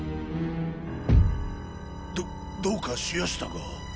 どどうかしやしたか？